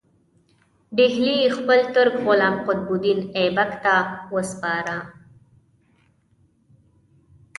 ډهلی یې خپل ترک غلام قطب الدین ایبک ته وسپاره.